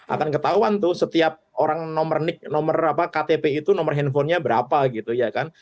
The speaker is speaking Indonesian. akan ketahuan tuh setiap orang nomor ktp itu nomor handphonenya berapa gitu ya kan